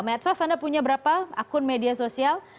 medsos anda punya berapa akun media sosial